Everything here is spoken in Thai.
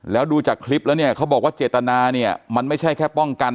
แล้วดูจากคลิปแล้วเนี่ยเขาบอกว่าเจตนาเนี่ยมันไม่ใช่แค่ป้องกัน